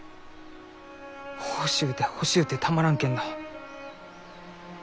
欲しゅうて欲しゅうてたまらんけんど